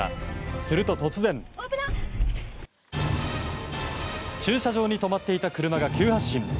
すると突然、駐車場に止まっていた車が急発進。